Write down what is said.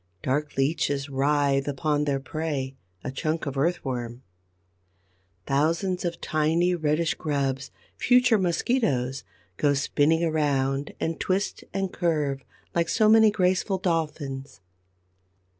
Dark Leeches writhe upon their prey, a chunk of Earthworm; thousands of tiny, reddish grubs, future Mosquitoes, go spinning around and twist and curve like so many graceful Dolphins.